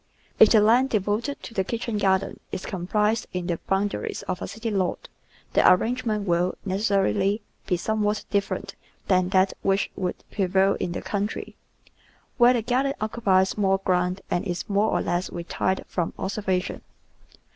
If the land devoted to the kitchen garden is comprised in the boundaries of a city lot the ar rangement will, necessarily, be somewhat different than that which would prevail in the country, where the garden occupies more ground and is more or less retired from observation.